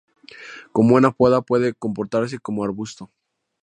Con buena poda puede comportarse como arbusto.